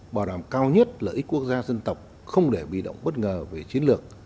bảo đảm cao nhất lợi ích quốc gia dân tộc không để bị động bất ngờ về chiến lược